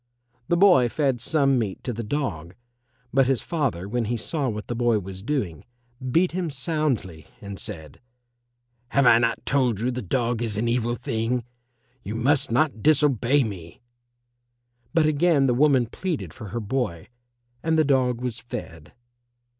The boy fed some meat to the dog, but his father, when he saw what the boy was doing, beat him soundly, and said, "Have I not told you the dog is an evil thing? You must not disobey me." But again the woman pleaded for her boy, and the dog was fed.